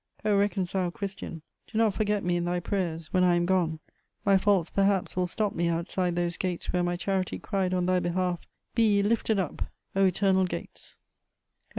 O reconciled Christian, do not forget me in thy prayers, when I am gone; my faults, perhaps, will stop me outside those gates where my charity cried on thy behalf: "Be ye lifted up, O eternal gates!"